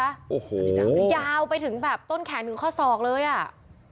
โอ้โหยาวไปถึงแบบต้นแขนถึงข้อศอกเลยอ่ะ